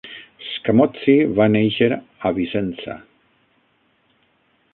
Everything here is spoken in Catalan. Scamozzi va néixer a Vicenza.